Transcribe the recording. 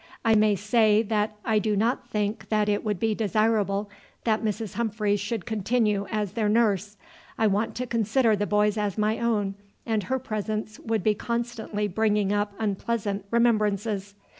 I may say that I do not think that it would be desirable that Mrs. Humphreys should continue as their nurse. I want to consider the boys as my own, and her presence would be constantly bringing up unpleasant remembrances.